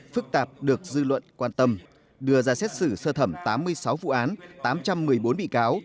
phức tạp được dư luận quan tâm đưa ra xét xử sơ thẩm tám mươi sáu vụ án tám trăm một mươi bốn bị cáo